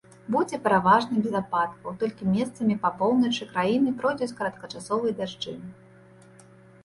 Будзе пераважна без ападкаў, толькі месцамі па поўначы краіны пройдуць кароткачасовыя дажджы.